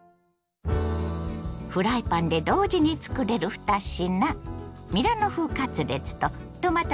フライパンで同時につくれる２品。